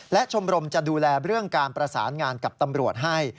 และชมรมจะดูแลเรื่องการประสานงานกับตำรวจให้